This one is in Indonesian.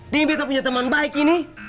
dengan beto punya teman baik ini